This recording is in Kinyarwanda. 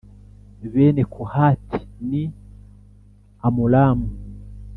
Bene Kohati ni Amuramu